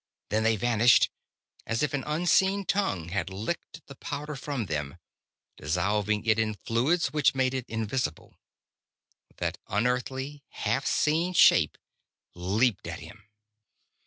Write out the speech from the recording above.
Then they vanished, as if an unseen tongue had licked the powder from them, dissolving it in fluids which made it invisible. That unearthly, half seen shape leaped at him.